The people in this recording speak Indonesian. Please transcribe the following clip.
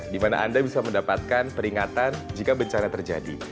di mana anda bisa mendapatkan peringatan jika bencana terjadi